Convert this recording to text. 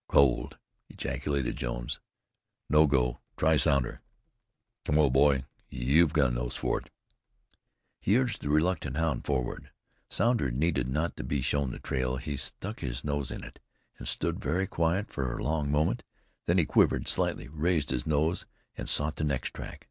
"Cold!" ejaculated Jones. "No go. Try Sounder. Come, old boy, you've the nose for it." He urged the reluctant hound forward. Sounder needed not to be shown the trail; he stuck his nose in it, and stood very quiet for a long moment; then he quivered slightly, raised his nose and sought the next track.